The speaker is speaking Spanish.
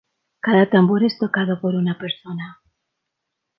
Cada tambor es tocado por una persona.